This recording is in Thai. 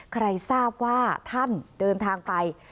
ใครทราบว่าท่านเดินทางไป